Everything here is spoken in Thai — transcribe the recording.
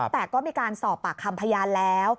แต่ก็มีการสอบปากคำพยานแล้ว